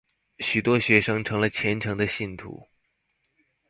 许多学生成了虔诚的信徒。